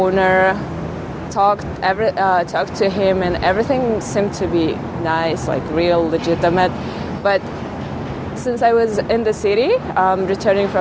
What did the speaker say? untuk memastikan mereka melakukan resiko yang mungkin untuk pengguna dan publik yang tersisa